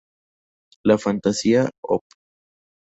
La Fantasía op.